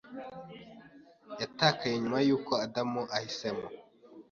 yatakaye nyuma yuko Adamu ahisemo